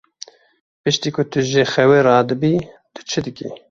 Piştî ku tu ji xewê radibî, tu çi dikî?